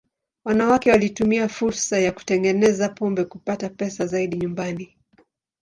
Wanawake walitumia fursa ya kutengeneza pombe kupata pesa zaidi nyumbani.